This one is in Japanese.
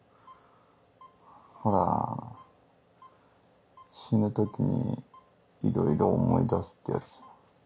ほら死ぬ時にいろいろ思い出すってやつ。